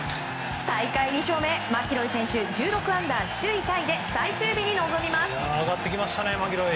大会２勝目、マキロイ選手１６アンダー、首位タイで最終日に臨みます。